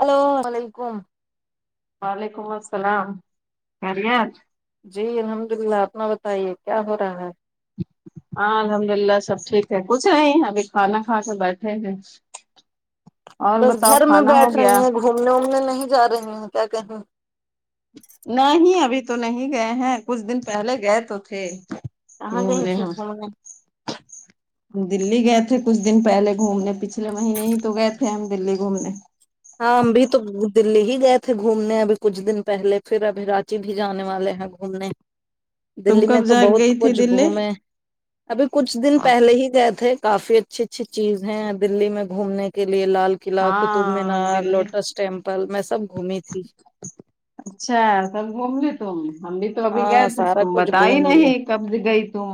Hello وعلیکم وعلیکم السلام خیریت جی الحمد للہ اپنا بتائیے کیا ہو رہا ہے ہاں الحمد للہ سب ٹھیک ہے کچھ نہیں ابھی کھانا کھا کے بیٹھے ہیں اور بس بتاؤ گھر میں کھانا ہو بیٹھ رہی گیا ہیں گھومنے وومنے نہیں جا رہی ہیں کیا کہیں نہیں ابھی تو نہیں گئے ہیں کچھ دن پہلے گئے تو تھے کہاں گئی گھومنے تھی ہاں دلی گئے تھے کچھ دن پہلے گھومنے پچھلے مہینے ہی تو گئے تھے ہم دلی گھومنے ہاں ہم بھی تو دلی ہی گئے تھے گھومنے ابھی کچھ دن پہلے پھر ابھی رانچی بھی جانے والے ہیں گھومنے تم دلی میں کب تو جا بہت گئی تھی کچھ دلی گھومے ابھی کچھ دن پہلے ہی گئے تھے کافی ا اچھی اچھی چیز ہیں دللی میں گھومنے کے لیے لال قلعہ قطب می ہاں نار دلی لوٹس ٹیمپل میں سب گھومی تھی اچھا سب گھوم لی تو ہم بھی تو ابھی گئے ہاں تھے سارا تم کچھ بتائی گھوم لیے نہیں کب گئی تم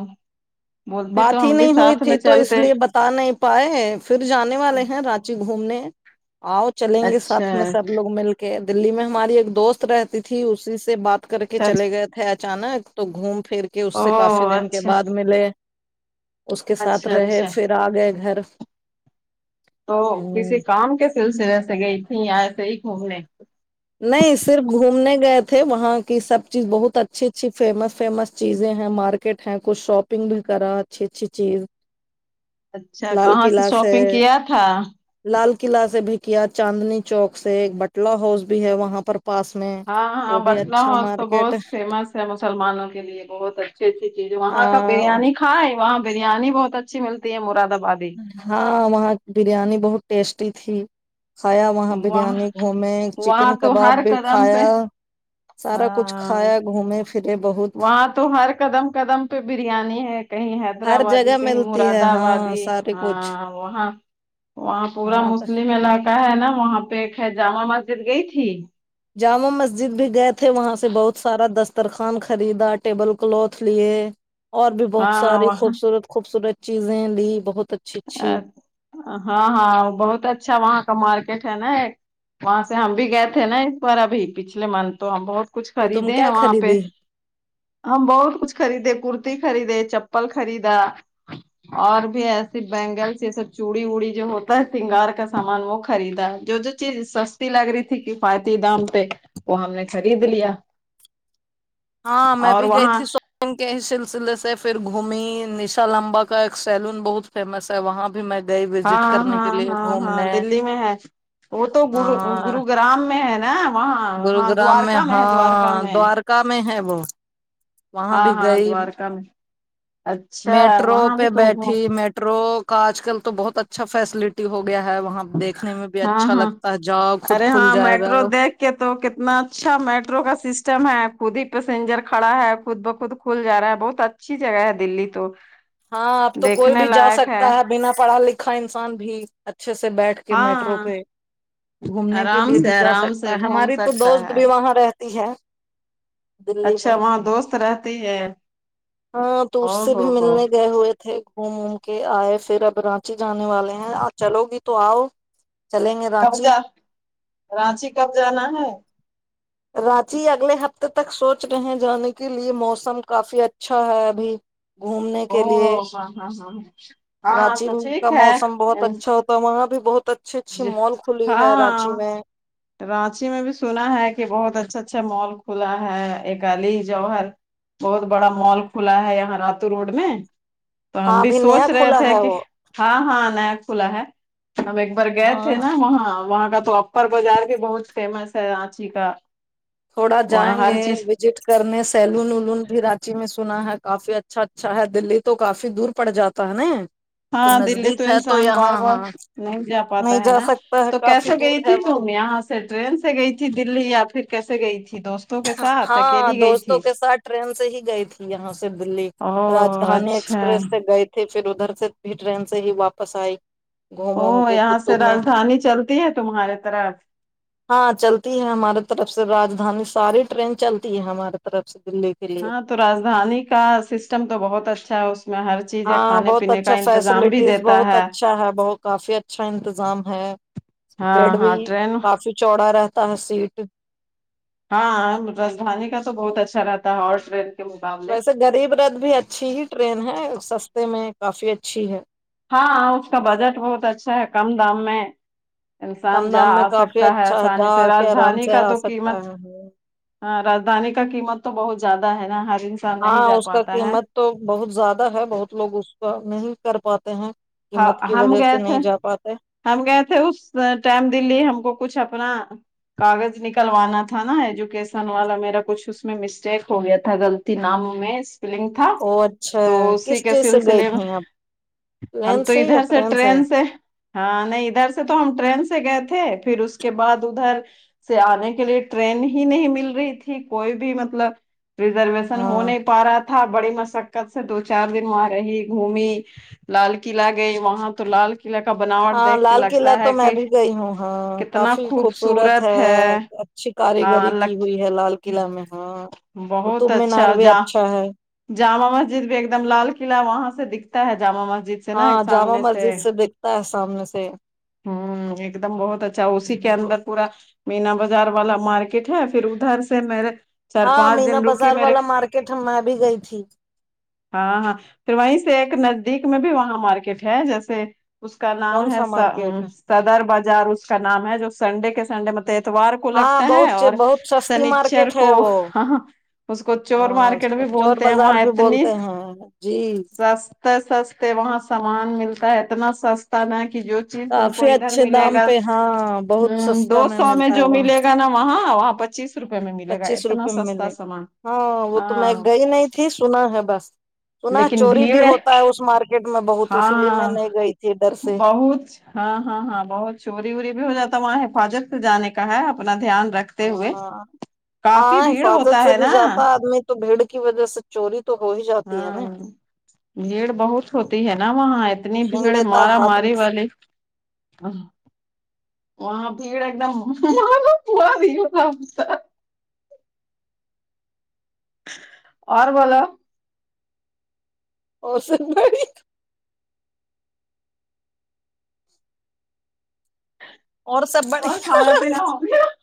بولتی تو ہم بھی ساتھ میں چلتے تا نہیں پائے پھر جانے والے ہیں رانچی گھومنے آؤ چلیں گے اچھا ساتھ میں سب لوگ مل کے دلی میں ہماری ایک دوست رہتی تھی اسی سے بات کر کے اچھا چلے گئے تھے اچانک تو گھوم پھر کے او اس سے کافی دن کے اچھا بعد ملے اس کے ساتھ اچھا رہے اچھا پھر آ گئے گھر تو ہ کسی کام کے سلسلے سے گئی تھی یا ایسے ہی گھومنے نہیں صرف گھومنے گئے تھے وہاں کی سب چیز بہت اچھی اچھی فیمس فیمس چیزیں ہیں مار کیٹ ہے کچھ شاپنگ بھی کرا اچھی اچھی چیز اچھا لال کہاں سے قلعہ شاپنگ کیا تھا لال قلعہ سے بھی کیا چاندنی چوک سے ایک بٹلہ ہاؤس بھی ہے وہاں پر پاس میں ہاں ہاں وہ بھی بٹلا اچھا ہاؤس تو مارکیٹ ہے۔ بہت فیمس ہے مسلمانوں کے لیے بہت اچھا اچھی اچھی وہاں کا ہاں بریانی کھائے ہے وہاں بریانی بہت اچھی ملتی ہے مراد آبادی ہاں وہاں بریانی بہت ٹیسٹی تھی کھایا وہاں بریانی گھومے چکن وہاں تو کباب ہر بھی قدم پہ کھایا سارا کچھ ہاں کھایا گھومے تے بہت وہاں تو ہر قدم قدم پہ بریانی ہے کہیں ہر حیدرآبادی جگہ کہیں ملتی ہے مراد ہاں آبادی سارے کچھ ہاں وہاں وہاں پورا مسلم علاقہ ہے نا وہاں پہ ایک ہے جامع مسجد گئی تھی جامع مسجد بھی گئے تھے وہاں سے بہت سارا دسترخوان خریدا ٹیبل کلتھ لیے اور بھی بہت ہاں ساری وہاں خوبصورت خوبصورت چیزیں لی بہت اچ ا ہاں ہاں بہت اچھا وہاں کا مارکیٹ ہے نا ایک وہاں سے ہم بھی گئے تھے نا اس بار ابھی پچھلے منتھ تو ہم بہت کچھ تو تم خریدے کیا ہیں وہاں پہ خریدی ہم بہت کچھ خریدے کرتی خریدے چپل خریدا اور بھی ای پھر بینگلس یہ سب چوڑی ووڑی جو ہوتا ہے سنگار کا سامان وہ خریدا ہے جو جو چیز سس تی لگ رہی تھی کفایتی دام پہ وہ ہم نے خرید لیا ہاں میں اور بھی گئی وہاں تھی سو پینگ کے سلسلے سے پھر گھومی نشا لمبا کا ایک سیلون بہت فیمس ہے وہاں بھی میں گئی وزٹ ہاں کرنے کے ہاں لیے ہاں ہاں گھومنے دلی میں ہے وہ تو گ ہاں گرو گرام میں ہے نا وہاں ہاں دوارکا میں ہے دوارکا میں کا میں ہے وہ وہاں ہاں بھی ہاں گئی دوارکا میں اچھا میٹرو وہاں بھی پہ تم کو بیٹھی میٹرو کا آج کل تو بہت اچھا فیسلٹی ہو گیا ہے وہاں دیکھنے میں بھی ہاں اچھا ہاں لگتا ہے جاؤ خود کھل جائے گا کہ تو کتنا اچھا میٹرو کا سسٹم ہے خود ہی پیسینجر کھڑا ہے خود بخود کھل جا رہا ہے بہت اچھی جگہ ہے دلی تو ہاں اب تو کوئی دیکھنے بھی جا لائق سکتا ہے بنا پڑھا لکھا انسان بھی اچھے سے بیٹھ کے میٹرو ہاں پہ گھومنے کے آرام لیے بھی سے جا آرام سکتا سے ہے گھوم ہماری تو سکتا دوست ہے بھی وہاں رہتی ہے دلی اچھا میں وہاں دوست رہتی ہے ہاں تو او اس سے بھی ہو ہو ملنے گے ہوئے تھے گھوم ووم کے آئے پھر اب رانچی جانے والے ہیں آ چلو گی تو آؤ چلیں گے کب رانچی جا رانچی کب جانا ہے رانچی اگلے ہفتے تک سوچ رہے ہیں جانے کے لیے موسم کافی اچھا ہے ابھی گھومنے او کے لیے ہاں ہاں ہاں ہاں رانچی تو کا ٹھیک ہے موسم بہت اچھا ہو تو وہاں بھی بہت اچھی اچھی جی مال کھلی ہے رانچی ہاں میں رانچی میں بھی سنا ہے کہ بہت اچھا اچھا مال کھلا ہے ایک علی جوہر بہت بڑا مال کھلا ہے یہاں راتو روڈ میں تو ہاں ہم بھی ابھی نیا سوچ رہے کھلا تھے ہے کہ وہ ہاں ہاں نیا کھلا ہے ہم ایک بار گئے تھے ہاں نا وہاں وہاں کا تو پر بازار بھی بہت فیمس ہے رانچی کا تھوڑا وہاں جائیں ہر گے چیز وی جیٹ کرنے سیلون ولون بھی رانچی میں سنا ہے کافی اچھا اچھا ہے دلی تو کافی دور پڑ جاتا تہ نئی ہاں دلی تو انسان بار بار نہیں جا نہیں پاتا ہے جا نا سکتا ہے تو کافی کیسے دور گئی ہے تھی وہ تم یہاں سے ٹرین سے گئی تھی دلی یا پھر کیسے گئی تھی دوست ہاں دوستوں کے ساتھ ٹرین سے ہی گئی تھی یہاں سے دلی او راجدھانی اچھا ایکسپریس سے گئے تے پھر ادھر سے بھی ٹرین سے ہی واپس آئی گھوم او ووم کے یہاں سے قطب میں راجدھانی چلتی ہے تمہارے طرف ہاں چلتی ہے ہمارے طرف سے رادھانی ساری ٹرین چلتی ہے ہمارے طرف سے دلی کے لیے ہاں تو رجدھانی کا سسٹم تو بہت اچھا ہے اس میں ہر چیز ہے ہاں کھانے بہت پینے کا اچھا انتظام بھی فیسلٹیز دیتا بہت اچھا ہے بت کافی اچھا انتظام ہے بیڈ ہاں بھی ہاں ٹرین کافی چوڑا رہتا ہے سیٹ ہاں راجدھانی کا تو بہت اچھا رہتا ہے اور [unintelligible] کے مقابلے ویسے غریب رتھ بھی اچھی ہی ٹرین ہے سستے میں کافی اچھی ہے ہاں اس کا بجٹ بہت اچھا ہے کم دام میں انسان کم جا دام میں آ کافی سکتا ہے اچھا آسانی جا سے کے آرام راجدھانی سے کا آ تو سکتا قیمت ہے ہاں راجدھانی کا قیمت تو بہت زیادہ ہے نا ہر انسان نہیں ہاں جا اس کا پاتا ہے قیمت تو بہت زیادہ ہے بہت لوگ اس کا نہیں کر پاتے ہیں قیمت کی ہم وجہ سے گئے تھے نہیں جا پاتے ہم گئے تھے اس ٹائم دلی ہم کو کچھ اپنا کاغذ نکلوانا تھا نا ایجوکیشن والا میرا کچھ اس میں مسٹیک ہو گیا تھا غلط تی نام میں اسپلنگ تھا او اچھا تو اسی کس کے چیز سے گئی سلسلے میں تھی آپ ہم تو ادھر سے ٹرین سے ہاں نہیں ادھر سے تو ہم ٹرین سے گئے تھے پھر اس کے بعد ادھر سے آنے کے لیے ٹرین ہی نہیں مل رہی تھی کوئی بھی مطلب ریزرویشن ہو ہاں نہیں پا رہا تھا بڑی مسقت سے دو چار دن وہاں رہی گھمی لال قلع کلا گئی وہاں تو لال قلعہ کا بناوٹ ہاں دیکھ کے لال قلعہ لگتا تو ہے میں کہ بھی گئی ہوں ہاں کافی خوبصورت ہے اچھی کاری ہاں گری کی لگ ہوئی ہے لال قلع میں ہاں قطب بہت مینار اچھا بھی جا اچھا ہے جامع مسجد بھی ایک دم لال قلع وہاں سے دکھتا ہے جامع مسجد سے نا ہاں جامع سامنے مسجد سے دیکھتا ہے سامنے سے ہوں ایک دم بہت اچھا اسی کے اندر پورا مینا بازار والا مارکیٹ ہے پھر ادھر سے میرے چار ہاں پانچ مینا دن رکی بازار میرے والا مارکیٹ میں بھی گئی تھی ہاں ہاں پھر وہیں سے ایک نزدیک میں بھی وہاں مارکیٹ ہے جیسے اس کا کون نام ہے سا مارکیٹ صدر بازار اس کا نام ہے جو سنڈے کے سنڈے مطلب اتوار کو ہاں لگتا ہے بہت اور بہت سستی سنیچر مارکیٹ کو ہے وہ ہاں اس کو چور ہاں مار کٹ اس پھر بھی کو چور بولتے ہیں بازار وہاں بھی اتنی بولتے ہیں جی سب سس سستے وہاں سامان ملتا ہے اتنا سستا نہ کہ جو پیس تم کو کافی ادھر اچھے ملے دام گا پہ ہاں بہت ہ سستا دو سو میں ملتا ہے جو وہاں ملے گا نا وہاں وہاں پچیس روپے میں ملے گا پچیس اتنا روپے میں سستا ملے گا۔ سامان ہاں وہ تو میں ہاں گئی نہیں تھی سنا ہے بس سنا لیکن چوری بھی بھیڑ ہوتا ہے اس مارک کرکٹ میں بہت اسی لیے میں ہاں نہیں گئی تھی ادھر سے بہت ہاں ہاں ہاں بہت چوری ووری بھی ہو جاتا ہے وہاں حفاظت سے جان کا ہے اپنا دھیان رکھ ہاں ہاں حفاظت ہوتا سے ہے بھی نا جاتا آدمی تو بھیڑ کی وجہ سے چوری تو ہو ہی جاتی ہے ہاں نا بھیڑ بہت ہوتی ہے نا وہاں اتنی چھین بھیڑ لیتا مارا ہاتھ میں ماری سے۔ والی وہاں بھیڑ ایک دم م ہوا د [unintelligible] اور بولو اور سب بھاںی اور سب اور بڑیا ہے نا [unintelligible]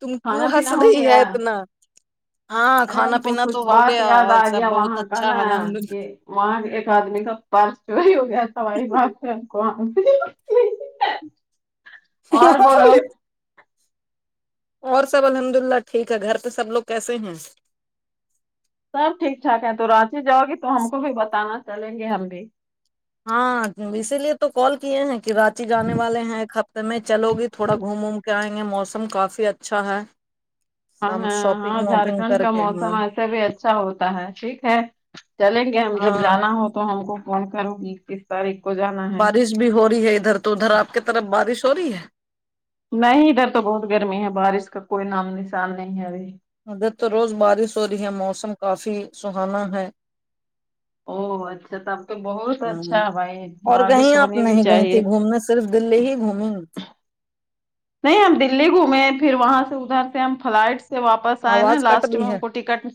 تم کیوں کھانا ہنس پینا ہو رہی ہے گیا اتنا ہاں ارے ہم کھانا کو پینا کچھ تو ہو بات گیا یاد اور آ سب گیا بہت وہاں کا اچھا نا الحمد للہ، کہ وہاں ایک آدمی کا پرس چوری ہو گیا تھا وہی بات کون اور بولو اور سب الحمد للہ ٹھیک ہے گھر پہ سب لوگ کیسے ہیں سب ٹھیک ٹھاک ہے تو رانچی جاؤ گی تو ہم کو بھی بتانا چلیں گے ہم بھی ہاں [unintelligible] اسی لیے تو کال کیے ہیں کی راچی جانے والے ہیں ایک ہفتے میں چلو گی تھوڑا گھوم ووم کے آئیں گ یہ موسم کافی اچھا ہے ہاں ہم شاپنگ ہاں واپنگ جھارکھنڈ کر کا کے موسم ہاں ایسے بھی اچھا ہوتا ہے ٹھیک ہے چلیں گے ہم جب ہاں جانا ہو تو ہم کو فون کروں گی کس تاریخ کو جانا ہے بارش بھی ہو رہی ہے ادھر تو ادھر آپ کی طرف بارش ہو رہی ہے نہیں ادھر تو بہت گرمی ہے بارش کا کوئی نام نشان نہیں ہے ابھی ادھر تو روز بارش ہو رہی ہے موسم کافی سہانا ہے او اچھا تب تو بہت اچھا ہوں بھائی اور بارش کہیں آپ ہونی بھی نہیں گئی چاہیے تھی گھومنے صرف دلی ہی گھومیں نہیں ہم دلی گھومے پھر وہاں سے ادھر سے ہم فلائٹ سے واپ پس آئیں نا آواز کٹ لاسٹ میں رہی ہم ہے کو ٹکٹک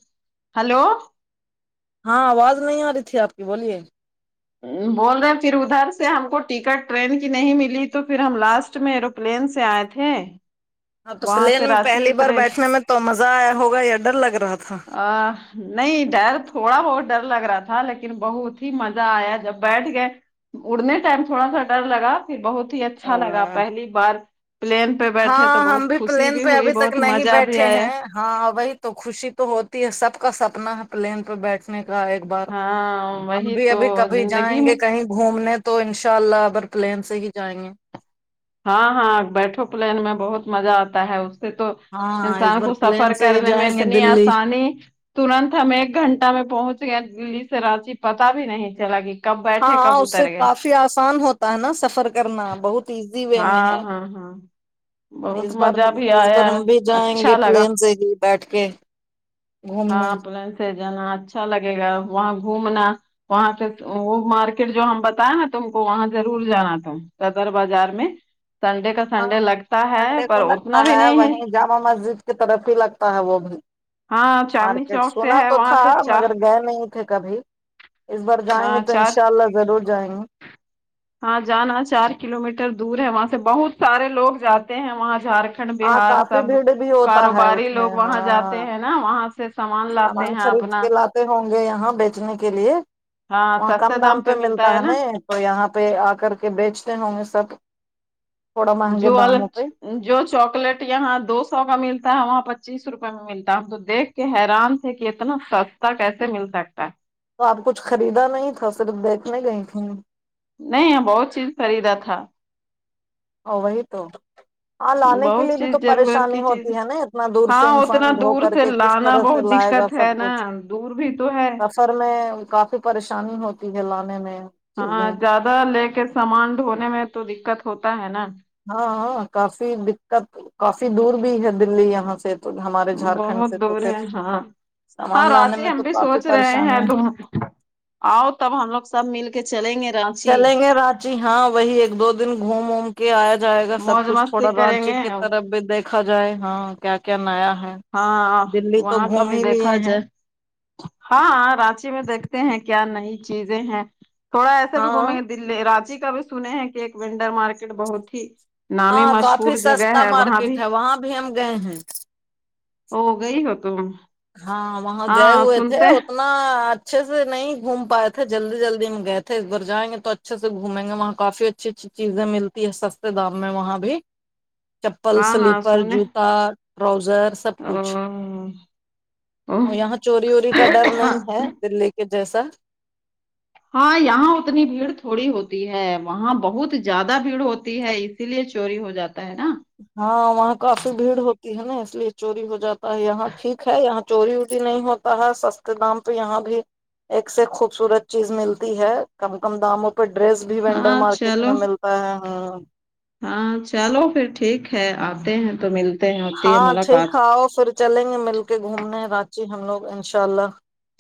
ہلو ہاں آواز نہیں آ رہی تھی آپ کی بولیے بول رہے ہیں پھر ادھر سے ہم کو ٹکٹ ٹرین کی نہیں ملی تو پھر ہم لاسٹ میں ایرو پلین سے آئے تھے ہاں تو وہاں پلین سے میں رانچی پہلی بار اترے بیٹھنے میں تو مزہ آیا ہوگا یا ڈر لگ رہا تھا ا نہیں ڈر تھوڑا بہت ڈر لگ رہا تھا لیکن بہت ہی م زہ آیا جب بیٹھ گئے اڑنے ٹائم تھوڑا سا ڈر لگا پھر بہت ہی اچھا لگا تھا پہلی بار پلین پہ بیٹھے تو ہاں ہم بہت خوشی پلین بھی پہ ہوئی ابھی تک بہت نہیں مزہ بھی بیٹھے آیا ہیں ہاں وہی تو خوشی تو ہوتی ہے سب کا سپنا ہے پلین پہ بیٹھنے کا ایک ا بار ہاں ہم وہی بھی تو ابھی کبھی زندگی جائیں گے میں کہیں گھومنے تو انشاء اللہ اب اگر پلین سے ہی جائیں گے ہاں ہاں بیٹھو پلین میں بہت مزہ آتا ہے تو ہاں اس انسان بار کو سفر پلین سے ہی کرنے میں جائیں گے اتنی دلی آسانی ترنت ہم ایک گھنٹہ میں پہنچ گیا دلی سے راچی پتا بھی نہیں چلا کی ہاں اس سے کافی آسان ہوتا ہے نا سفر کرنا بہت ایزی وے میں ہاں ہے ہاں ہاں بہت اس بار مزہ بھی اس آیا بار ہم بھی جائیں گے اچھا لگا پلین سے ہی بیٹھ کے گھومنے ہاں پلین سے جانا اچھا لگے گا وہاں گھومنا وہاں پے وہ مارکیٹ جو ہم بتائے نا تم کو وہاں ضرور جانا تھا صدر بازار سنڈے کا ہاں سنڈے لگتا ہے سنڈے پر کو اتنا لگتا بھی نہیں ہے وہیں جامع مسجد کی طرف ہی لگتا ہے وہ بھی ہاں چاندنی مارکیٹ چوک سے سنا ہے تو وہاں تھا سے چار مگر گئے نہیں کبھی اس بار جائیں گے ہاں تو ان چار شاء اللہ ضرور جائیں گے ہاں جانا چار کلو میٹر دور ہے وہاں سے بہت سارے لوگ جاتے ہیں وہاں جھار کھنڈ ہاں بہار کافی سب بھیڑ بھی ہوتا ہے کاروباری اس لوگ میں وہاں جاتے ہاں ہیں نا وہاں سے سامان لاتے ہیں اپنا تے ہوں گے یہاں بیچنے کے لیے وہاں کم دام پہ ملتا ہے نا تو یہاں پہ آ کر کے بیچتے ہوں گے سب تھوڑا مہنگے جو داموں والیچ پہ جو چاکلیٹ یہاں دو سو کا ملتا ہے وہاں پچیس روپے میں ملتا ہے ہم تو دیکھ کہ حیران تھے کہ اتنا سستا کیسے مل سکتا ہے تو آپ کچھ خریدا نہیں تھا صرف دیکھنے گئی تھیں نہیں بہت چیز خریدا تھا ہوو وہی تو ہاں لانے کے لیے بہت بھی چیز تو ضرورت پریشانی کی چیز ہوتی ہے نا اتنا دور سے ہاں اتنا انسان ڈھو دور کر سے کے کس لانا طرح سے بہت لائے گا دقت ہے سب نا کچھ دور بھی تو ہے سفر میں کافی پریشانی ہوتی ہے لانے میں ہاں چیزیں زیادہ لے کے سامان دھونے میں تو دقت ہوتا ہے نا ہاں ہاں کافی دکت کافی دور بھی ہے دلی یہاں سے تو ہمارے جھارکھنڈ بہت سے تو دور پھر ہے ہاں سامان ہاں لانے راچی میں ہم تو بھی کافی سوچ رہے ہیں پریشانی تم آؤ تب ہم لوگ سب مل کے چلیں گے رہ چلیں گے رانچی ہاں وہی ایک دو دن گھوم ووم کے آیا جائے گا سب موج کچھ مستی تھوڑا کریں رانچی گے کے طرف بھی دیکھا جائے ہاں کیا کیا نیا ہے ہاں دلی تو وہاں کا گھوم بھی ہی لیے دیکھا ہیں جائے ہاں رانچی میں دیکھتے ہیں کیا نئی چیزیں ہیں تھوڑا ایسے بھی ہاں گھومیں گے دلی رانچی کا بھی سنے ہیں کہ ایک ونڈر مارکیٹ بہت ہی نامی ہاں کافی مشہور جگہ سستا ہے وہاں مارکیٹ بھی ہے وہاں بھی ہم گئے ہیں او گئی ہو تم ہاں وہاں گئے ہاں ہوئے تھے سنتے ات نا اچھے سے نہیں گھوم پائے تھے جلدی جلدی میں گئے تھے اس بار جائیں گے تو اچھے سے گھومیں گے وہاں کافی اچھی اچھی چیزیں ملتی ہے سستے دام میں وہاں بھی چپل ہاں ہاں سلیپر سنے جوتا ٹراؤزر سب کچھ ا او یہاں چوری ووری کا ڈر نہیں ہے دلی کے جیسا ہاں یہاں اتنی بھیڑ تھوڑی ہوتی ہے وہاں بہت زیادہ بھیڑ ہوتی ہے اسی لیے چوری ہو جاتا ہے نا ہاں وہاں کافی بھیڑ ہوتی ہے نا اس لیے چوری ہو جاتا ہے یہاں ٹھیک ہے یہاں چوری ووری نہیں ہو اتا ہے سستے دام پے یہاں بھی ایک سے ایک خوبصورت چیز ملتی ہے کم کم داموں پہ ڈریس بھی وینڈر ہاں مارکیٹ میں چلو مل تا ہے ہاں ہاں چلو پھر ٹھیک ہے آتے ہیں تو مل ہاں ٹھیک ہے آؤ پھر چلیں گے مل کے گھومنے راچی ہم لوگ انشاء اللہ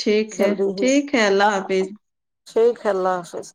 ٹھیک ہے جلدی ہی ٹھیک ہے اللہ حافظ ٹھیک ہے اللہ حافظ